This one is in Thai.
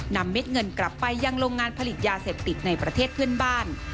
เม็ดเงินกลับไปยังโรงงานผลิตยาเสพติดในประเทศเพื่อนบ้าน